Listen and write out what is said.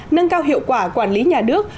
nâng cao hiệu quả quản lý nhà nước